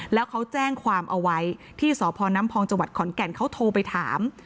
แล้วเขาแจ้งความเอาไว้ที่สนพจขอนแก่นเขาโทรไปถาม